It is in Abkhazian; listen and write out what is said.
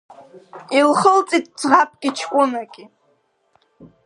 Илхылҵит ӡӷабки ҷкәынаки…